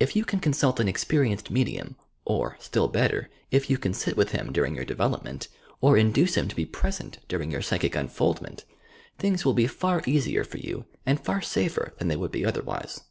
If you can consult an experienced medium or, still better, if yon can sit with him during your development, or induce him to be present during your psychic unfoldment, things will be far easier for you and far safer than they would be otherwise.